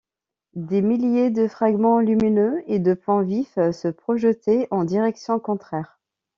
Des milliers de fragments lumineux et de points vifs se projetaient en directions contraires.